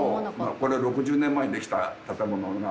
これ６０年前にできた建物が。